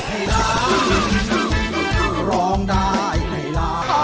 คือร้องได้ให้ร้อง